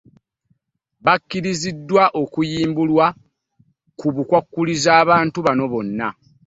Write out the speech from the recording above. Bakkiriziddwa okuyimbulwa ku bukwakkulizo abantu bano bonna